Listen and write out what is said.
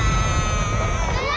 うわ！